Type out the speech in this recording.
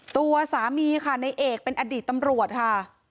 ตัวสามีค่ะในเอกเป็นอดีตตำรวจค่ะ